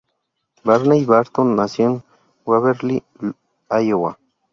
Barney Barton nació en Waverly, Iowa.